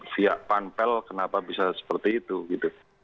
siapkan pel kenapa bisa seperti itu gitu